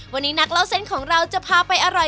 วันนี้นักเล่าเส้นของเราจะพาไปอร่อย